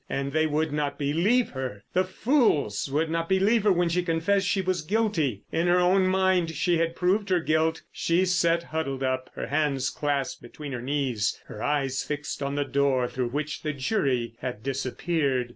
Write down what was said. And they would not believe her. The fools would not believe her when she confessed she was guilty. In her own mind she had proved her guilt. She sat huddled up, her hands clasped between her knees, her eyes fixed on the door through which the jury had disappeared.